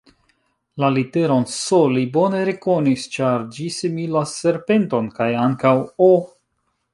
La literon S li bone rekonis, ĉar ĝi similas serpenton, kaj ankaŭ O.